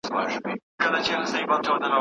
بايد تل د ښو کارونو امر وکړو.